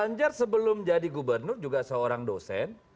ganjar sebelum jadi gubernur juga seorang dosen